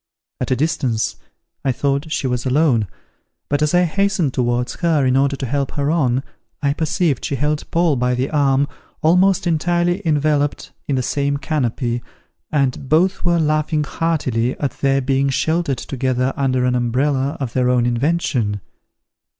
At a distance, I thought she was alone; but as I hastened towards her in order to help her on, I perceived she held Paul by the arm, almost entirely enveloped in the same canopy, and both were laughing heartily at their being sheltered together under an umbrella of their own invention.